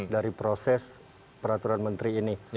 dari proses peraturan menteri ini